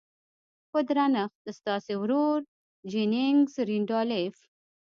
په درنښت ستاسې ورور جيننګز رينډالف.